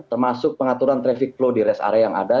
termasuk pengaturan traffic flow di rest area yang ada